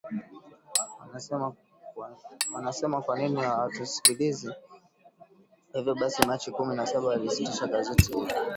Wanasdema kwa nini hatuwasikilizi kwa hivyo basi Machi kumi na saba walisitisha gazeti hilo